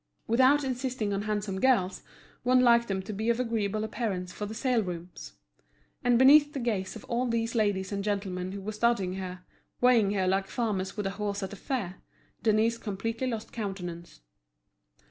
Without insisting on handsome girls, one liked them to be of agreeable appearance for the sale rooms. And beneath the gaze of all these ladies and gentlemen who were studying her, weighing her like farmers would a horse at a fair, Denise completely lost countenance.